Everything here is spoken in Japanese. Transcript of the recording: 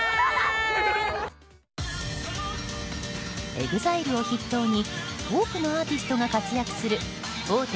ＥＸＩＬＥを筆頭に多くのアーティストが活躍する大手